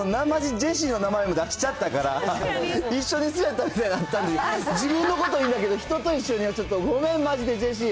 ジェシーの名前を出しちゃったから、一緒に滑ったみたいになったんで、自分のことはいいんだけど、人のことは、ちょっと、ごめん、まじでジェシー。